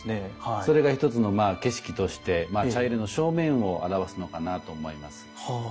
それが一つのまあ景色として茶入の正面を表すのかなと思います。